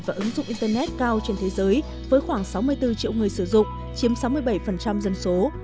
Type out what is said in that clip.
và ứng dụng internet cao trên thế giới với khoảng sáu mươi bốn triệu người sử dụng chiếm sáu mươi bảy dân số